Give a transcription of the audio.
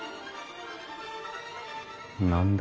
何だ？